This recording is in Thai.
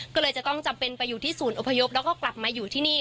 ก็เลยจะต้องจำเป็นไปอยู่ที่ศูนย์อพยพแล้วก็กลับมาอยู่ที่นี่